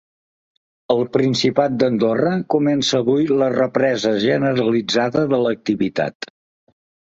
El Principat d’Andorra comença avui la represa generalitzada de l’activitat.